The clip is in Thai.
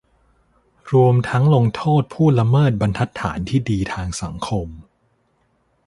รวมทั้งลงโทษผู้ละเมิดบรรทัดฐานที่ดีทางสังคม